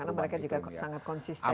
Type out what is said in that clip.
iya karena mereka juga sangat konsisten ya